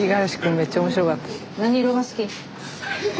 めっちゃ面白かった。